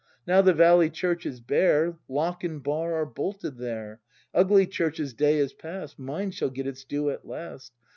Now the valley church is bare. Lock and bar are bolted there; Ugly church's day is past; Mine shall get its due at last.